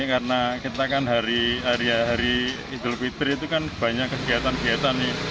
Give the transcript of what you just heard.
karena kita kan hari hari idul fitri itu kan banyak kegiatan kegiatan